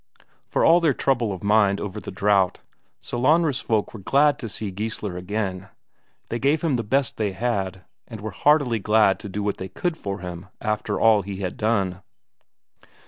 For all their trouble of mind over the drought, Sellanraa's folk were glad to see Geissler again; they gave him the best they had, and were heartily glad to do what they could for him after all he had done.